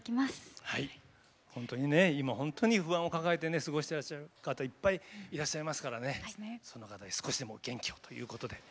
今本当に不安を抱えて過ごしてらっしゃる方いっぱいいらっしゃいますからねその方に少しでも元気をということで。